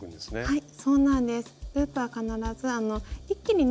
はい。